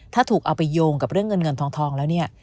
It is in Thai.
ถ้าถูกเอาไปโยงกับเรื่องเงินเงินทองแล้วเนี่ย